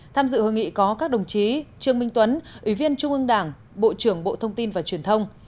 tham dự hội nghị có các đồng chí trương minh tuấn ủy viên trung ương đảng bộ trưởng bộ thông tin và truyền thông